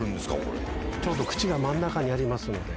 ちょうど口が真ん中にありますので。